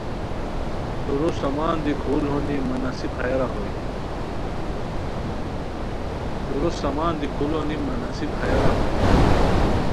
دُورو سامان دی کھل ہونی مہ نصیب ہیارہ ہوئے